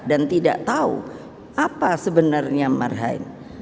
dan tidak tahu apa sebenarnya marhain